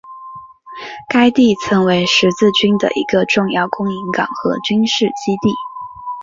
该地曾为十字军的一个重要的供应港和军事基地。